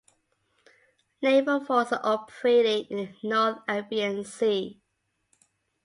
Naval forces operating in the North Arabian Sea.